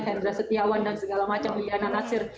hendra setiawan dan segala macam liana nasir